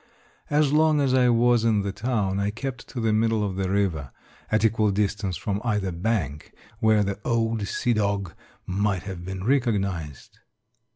As long as I was in the town I kept to the middle of the river, at equal distance from either bank, where the old sea dog might have been recognized